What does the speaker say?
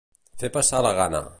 Fer passar la gana.